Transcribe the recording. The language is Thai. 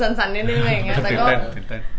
ตั้งนั้นมีเอ๋จใจนิดนึง